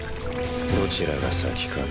どちらが先かな。